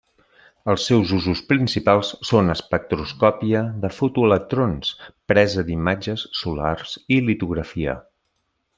Els seus usos principals són espectroscòpia de fotoelectrons, presa d'imatges solars i litografia.